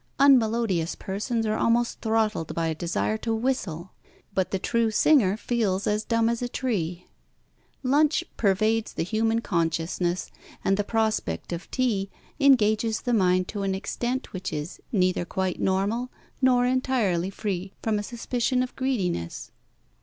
Unmelodious persons are almost throttled by a desire to whistle; but the true singer feels as dumb as a tree. Lunch pervades the human consciousness, and the prospect of tea engages the mind to an extent which is neither quite normal nor entirely free from a suspicion of greediness.